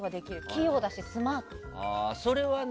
器用だしスマート。